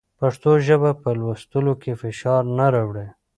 پښتو ژبه په لوستلو کې فشار نه راوړي.